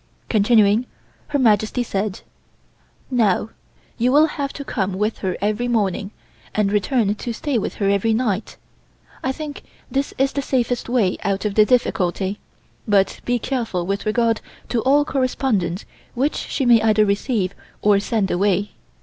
Continuing, Her Majesty said: "Now, you will have to come with her every morning and return to stay with her every night. I think this is the safest way out of the difficulty, but be careful with regard to all correspondence which she may either receive or send away.